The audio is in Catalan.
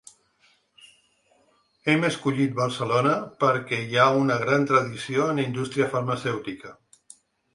Hem escollit Barcelona perquè hi ha una gran tradició en indústria farmacèutica.